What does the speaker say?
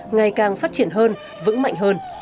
ngày càng phát triển hơn vững mạnh hơn